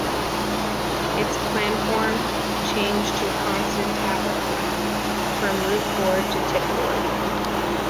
Its planform changed to a constant taper from root chord to tip chord.